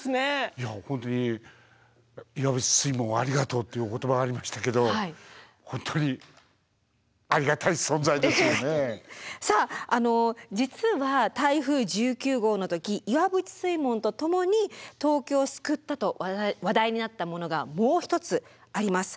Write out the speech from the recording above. いや本当に「岩淵水門ありがとう」っていう言葉がありましたけど本当にさああの実は台風１９号の時岩淵水門と共に東京を救ったと話題になったものがもう一つあります。